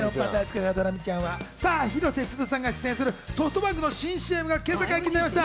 広瀬すずさんが出演するソフトバンクの新ＣＭが今朝解禁になりました。